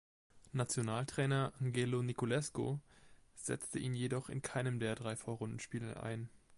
Nationaltrainer Angelo Niculescu setzte ihn jedoch in keinem der drei Vorrundenspiele ein.